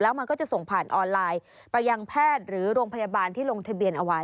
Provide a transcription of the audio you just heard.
มันก็จะส่งผ่านออนไลน์ไปยังแพทย์หรือโรงพยาบาลที่ลงทะเบียนเอาไว้